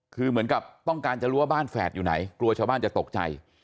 คือเหมือนกับต้องการจะรู้ว่าบ้านแฝดอยู่ไหนกลัวชาวบ้านจะตกใจ